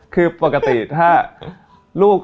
คือปกติถ้าลูก